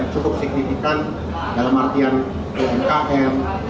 cukup signifikan dalam artian umkm